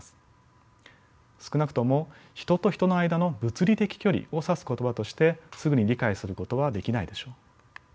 少なくとも人と人の間の物理的距離を指す言葉としてすぐに理解することはできないでしょう。